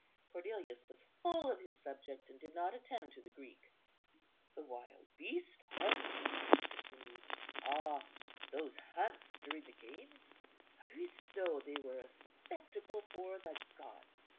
Cornelius was full of his subject, and did not attend to the Greek. "The wild beasts hunts," he continued, "ah, those hunts during the games, Aristo! they were a spectacle for the gods.